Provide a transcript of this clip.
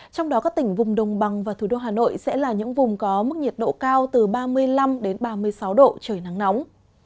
trong đó các tỉnh vùng đồng bằng và thủ đô hà nội sẽ là những vùng có mức nhiệt độ cao từ ba mươi năm ba mươi sáu độ trời nắng nóng